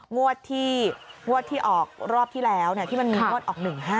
งวดที่งวดที่ออกรอบที่แล้วที่มันมีงวดออก๑๕